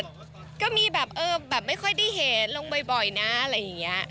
ก็มีแบบเออแบบไม่ค่อยได้เห็นลงบ่อยนะอะไรอย่างนี้